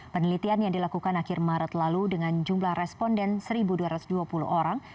penelitian yang dilakukan akhir maret lalu dengan jumlah responden satu dua ratus dua puluh orang